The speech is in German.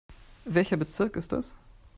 Welcher Bezirk ist das?